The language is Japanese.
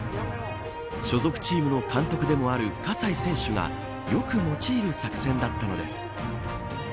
所属チームの監督でもある葛西選手がよく用いる作戦だったのです。